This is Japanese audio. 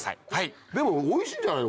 でもおいしいんじゃないの？